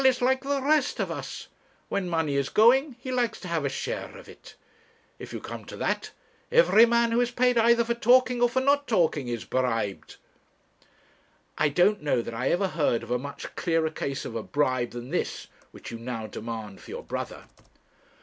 Val is like the rest of us; when money is going, he likes to have a share of it. If you come to that, every man who is paid either for talking or for not talking is bribed.' 'I don't know that I ever heard of a much clearer case of a bribe than this which you now demand for your brother.'